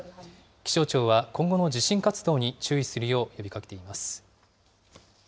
気象庁は、今後も地震活動に注意するよう呼びかけています。